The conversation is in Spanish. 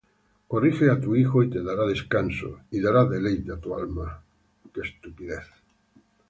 Corrige á tu hijo, y te dará descanso, Y dará deleite á tu alma.